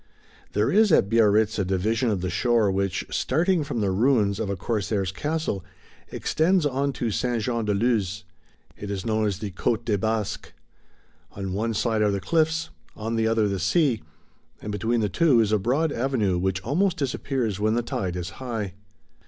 There is at Biarritz a division of the shore which, starting from the ruins of a corsair's castle, extends on to Saint Jean de Luz. It is known as the Côte des Basques. On one side are the cliffs, on the other the sea, and between the two is a broad avenue which almost disappears when the tide is high.